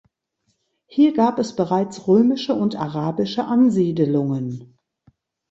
Hier gab es bereits römische und arabische Ansiedelungen.